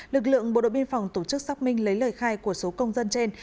lực lượng bộ đội biên phòng tổ chức xác minh lấy lời khai của số công dân trên